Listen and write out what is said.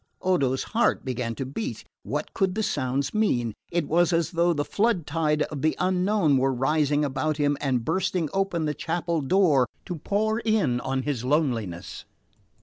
Odo's heart began to beat. What could the sounds mean? It was as though the flood tide of the unknown were rising about him and bursting open the chapel door to pour in on his loneliness.